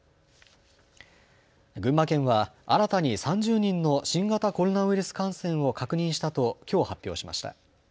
群馬県は新たに３０人の新型コロナウイルス感染を確認したときょう発表しました。